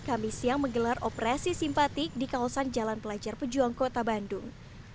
kami siang menggelar operasi simpatik di kawasan jalan pelajar pejuang kota bandung